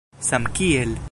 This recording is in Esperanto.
samkiel